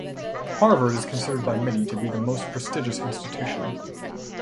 Harvard is considered by many to be the most prestigious institution